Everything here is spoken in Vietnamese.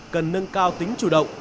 cần nâng cao tính chủ động